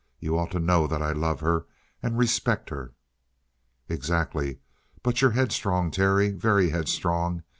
You ought to know that I love her, and respect her." "Exactly. But you're headstrong, Terry. Very headstrong.